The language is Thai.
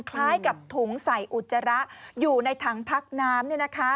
คล้ายกับถุงสายอุจจาระอยู่ในถังพักน้ำนี่นะคะ